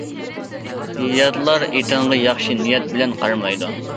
ياتلار ئېتىڭغا ياخشى نىيەت بىلەن قارىمايدۇ.